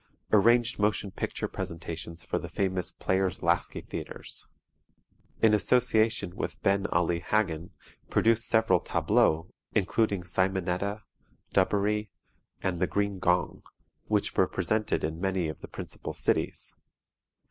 Arranged motion picture presentations for the Famous Players Lasky Theatres. In association with Ben Ali Haggin produced several tableaux, including "Simonetta," "Dubarry," and "The Green Gong," which were presented in many of the principal cities.